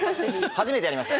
初めてやりました。